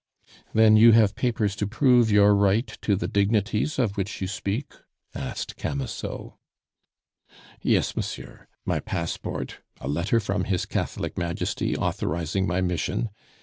"Then you have papers to prove your right to the dignities of which you speak?" asked Camusot. "Yes, monsieur my passport, a letter from his Catholic Majesty authorizing my mission.